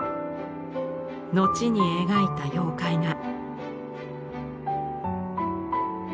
後に描いた妖怪画。